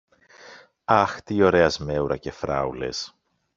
Αχ, τι ωραία σμέουρα και φράουλες!